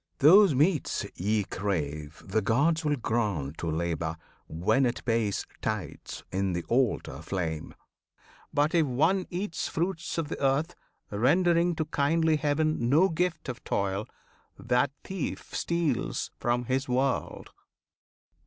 Those meats ye crave The gods will grant to Labour, when it pays Tithes in the altar flame. But if one eats Fruits of the earth, rendering to kindly Heaven No gift of toil, that thief steals from his world."